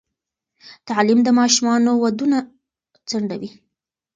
تعلیم د ماشومانو ودونه ځنډوي.